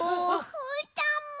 うーたんも。